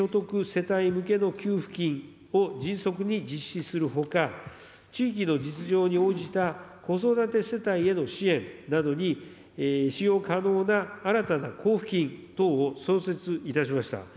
世帯向けの給付金を迅速に実施するほか、地域の実情に応じた子育て世帯への支援などに、使用可能な新たな交付金等を創設いたしました。